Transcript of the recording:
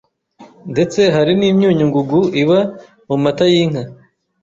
ndetse hari n’imyunyungugu iba mu mata y’inka